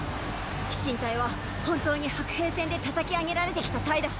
飛信隊は本当に白兵戦で叩き上げられてきた隊だ！